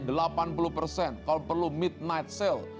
kalau perlu midnight sale